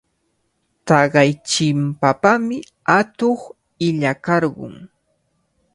Taqay chimpapami atuq illakarqun.